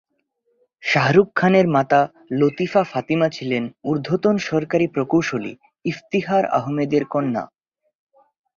শাহরুখ খানের মাতা লতিফ ফাতিমা ছিলেন ঊর্ধ্বতন সরকারী প্রকৌশলী ইফতিখার আহমেদের কন্যা।